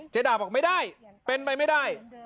ด่าบอกไม่ได้เป็นไปไม่ได้